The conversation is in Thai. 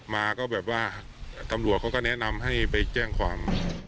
มาก็แบบว่าตำรวจเขาก็แนะนำให้ไปแจ้งความ